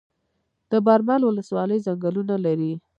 د برمل ولسوالۍ ځنګلونه لري